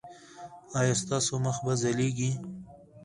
ایا ستاسو مخ به ځلیږي؟